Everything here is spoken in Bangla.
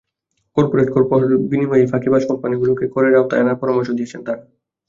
করপোরেট করহার কমিয়ে এই ফাঁকিবাজ কোম্পানিগুলোকে করের আওতায় আনার পরামর্শ দিয়েছে তারা।